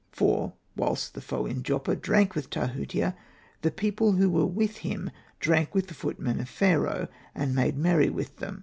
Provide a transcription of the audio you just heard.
For whilst the Foe in Joppa drank with Tahutia, the people who were with him drank with the footmen of Pharaoh, and made merry with them.